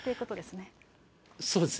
そうですね。